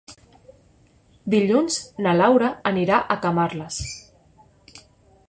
Dilluns na Laura anirà a Camarles.